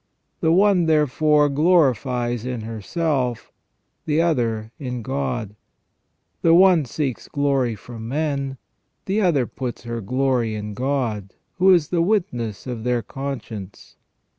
The one, therefore, glories in herself, the other in God ; the one seeks glory from men, the other puts her glory in God, who is the witness of their conscience.